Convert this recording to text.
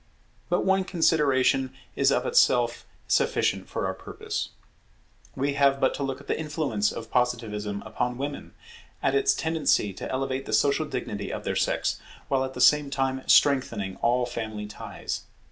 But one consideration is of itself sufficient for our purpose. We have but to look at the influence of Positivism upon Women, at its tendency to elevate the social dignity of their sex, while at the same time strengthening all family ties.